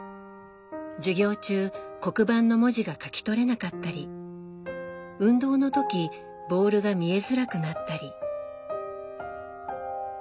授業中黒板の文字が書き取れなかったり運動の時ボールが見えづらくなったり。